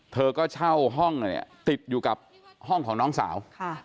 เธอก็เช่าห้องเนี่ยติดอยู่กับห้องของน้องสาว